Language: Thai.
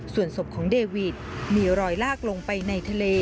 สวัสดีค่ะ